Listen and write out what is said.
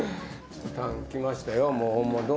タン来ましたよ。